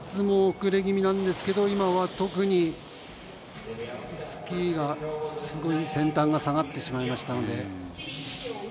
いつも遅れ気味なんですけど、今は特にスキーのすごい先端が下がってしまいましたので。